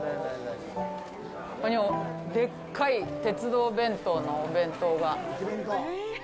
ここに、でっかい鉄道弁当のお弁当が。